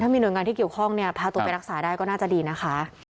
มีหน่วยงานที่เกี่ยวข้องเนี่ยพาตัวไปรักษาได้ก็น่าจะดีนะคะ